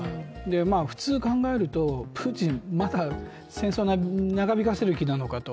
普通考えると、プーチン、まだ戦争を長引かせる気なのかと。